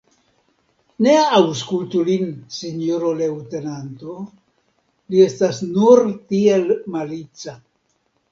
Ne aŭskultu lin, sinjoro leŭtenanto, li estas nur tiel malica.